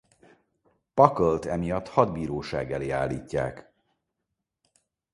Puckle-t emiatt hadbíróság elé állítják.